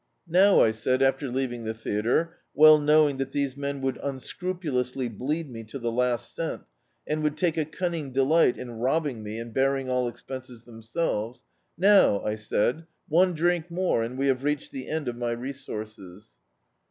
"Now," I said, after leaving the theatre, well knowing that these men would unscrupulously bleed me to the last cent, and would take a cunning delight in robbing me and bearing all expenses themselves — "now," I said, "<me drink more, and we have reached the end of my resources."